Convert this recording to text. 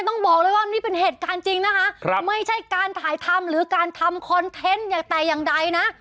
ต้องบอกเลยว่านี่เป็นเหตุการณ์จริงนะคะไม่ใช่การถ่ายทำหรือการทำคอนเทนต์อย่างแต่อย่างใดนะ